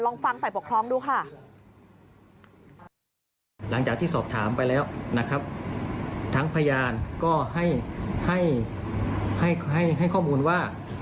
ลองฟังฝ่ายปกครองดูค่ะ